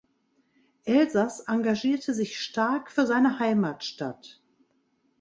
Elsas engagierte sich stark für seine Heimatstadt.